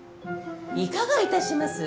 いかがいたします？